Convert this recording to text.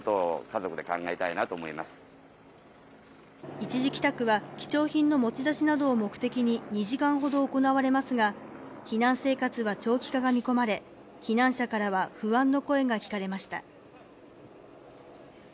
一時帰宅は貴重品の持ち出しなどを目的に２時間ほど行われますが、避難生活は長期化が見込まれ、避難者からは不安の声が聞かれました。